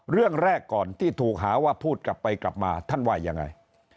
เรื่องแรกก่อนที่ถูกหาว่าพูดกลับไปกลับมาท่านว่ายังไง